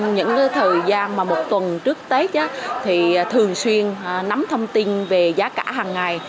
những thời gian mà một tuần trước tết thì thường xuyên nắm thông tin về giá cả hàng ngày